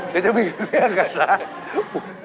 เดี๋ยวจะมีเรื่องกับซะ